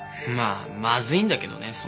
まあまずいんだけどね